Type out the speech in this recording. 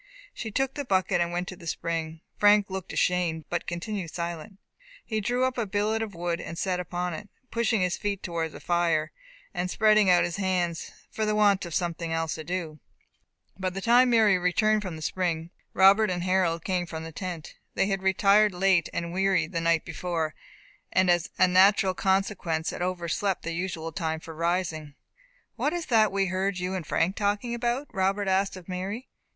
She took the bucket, and went to the spring. Frank looked ashamed, but continued silent. He drew up a billet of wood and sat upon it, pushing his feet towards the fire, and spreading out his hands, for the want of something else to do. By the time Mary returned from the spring, Robert and Harold came from the tent. They had retired late and weary the night before, and as a natural consequence had overslept their usual time for rising. "What is that we heard you and Frank talking about?" Robert asked of Mary.